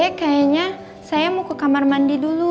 oke kayaknya saya mau ke kamar mandi dulu